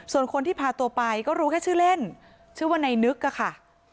ส่วนคนที่พาตัวไปก็รู้แค่ชื่อเล่นชื่อว่าในนึกอะค่ะ